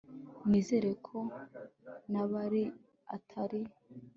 nizere ko nabari atari